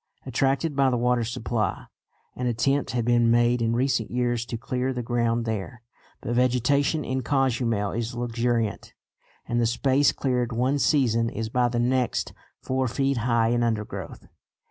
Attracted by the water supply, an attempt had been made in recent years to clear the ground there. But vegetation in Cozumel is luxuriant, and the space cleared one season is by the next four feet high in undergrowth.